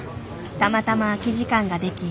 たまたま空き時間ができ